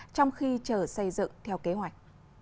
trong khi chờ xây dựng theo kế hoạch